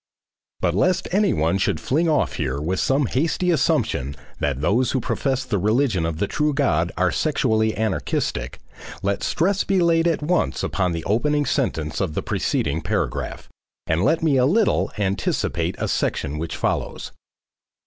But lest anyone should fling off here with some hasty assumption that those who profess the religion of the true God are sexually anarchistic, let stress be laid at once upon the opening sentence of the preceding paragraph, and let me a little anticipate a section which follows.